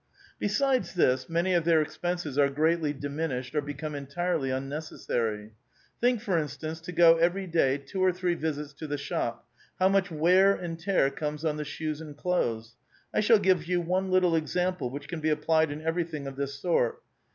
Besides this, many of their expenses are greatly dimin ished, or become entirely unnecessar3\ Think, for instance, to go evei*y day two or three visits to the shop, how much wear and tear comes on the shoes and clothes ! I shall give you one littb example which can be applied in everything of this Eort.